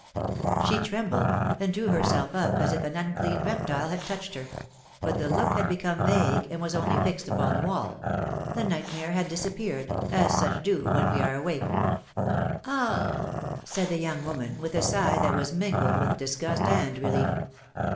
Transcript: She trembled, and drew herself up as if an unclean reptile had touched her; but the look had become vague, and was only fixed upon the wall — the nightmare had disappeared, as such do when we awake. i>hilom^:ne's marriages. 249 said the young woman, with a sigh that was mingled with disgust and relief.